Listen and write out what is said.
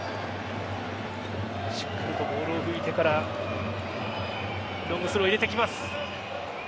しっかりとボールを拭いてからロングスローを入れてきます。